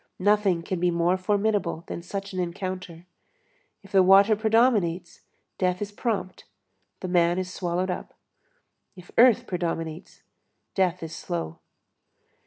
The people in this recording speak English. Nothing can be more formidable than such an encounter. If the water predominates, death is prompt, the man is swallowed up; if earth predominates, death is slow.